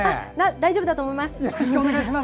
大丈夫だと思います。